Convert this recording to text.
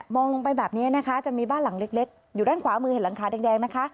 องลงไปแบบนี้นะคะจะมีบ้านหลังเล็กอยู่ด้านขวามือเห็นหลังคาแดงนะคะ